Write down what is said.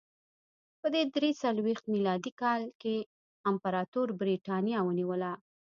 په درې څلوېښت میلادي کال کې امپراتور برېټانیا ونیوله